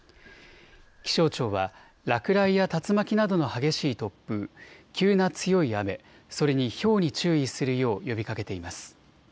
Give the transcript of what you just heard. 気象庁は落雷や竜巻などの激しい突風、急な強い雨、それにひょうに注意するよう呼びかけています。